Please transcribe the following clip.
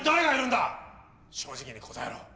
正直に答えろ。